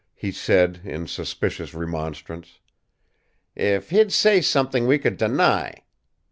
he said, in suspicious remonstrance. "If he'd say something we could deny!